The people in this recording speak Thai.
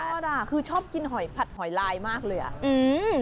ยอดอ่ะคือชอบกินผัดหอยลายมากเลยอ่ะ